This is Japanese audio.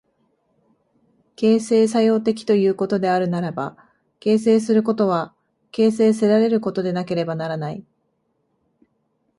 形成作用的ということであるならば、形成することは形成せられることでなければならない。